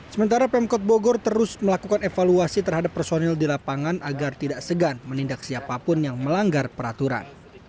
sementara pemkot bogor terus melakukan evaluasi terhadap personil di lapangan agar tidak segan menindak siapapun yang melanggar peraturan